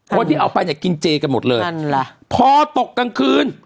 คนที่เอาไปเนี่ยกินเจกันหมดเลยนั่นแหละพอตกกลางคืน